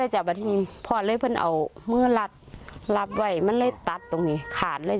เชื้อนตรงนี้ร่อย